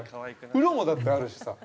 風呂も、だってあるしさ。